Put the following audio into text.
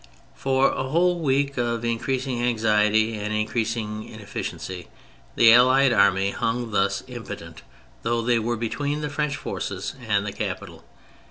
For a whole week of increasing anxiety and increasing inefficiency the Allied Army hung thus, impotent, though they were between the French forces and the capital.